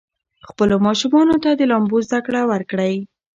خپلو ماشومانو ته د لامبو زده کړه ورکړئ.